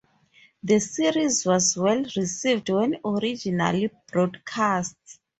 The series was well-received when originally broadcast.